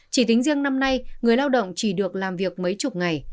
chỉ tính riêng năm nay người lao động chỉ được làm việc mấy chục ngày